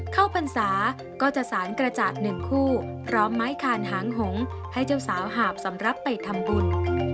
พรรษาก็จะสารกระจาดหนึ่งคู่พร้อมไม้คานหางหงให้เจ้าสาวหาบสำหรับไปทำบุญ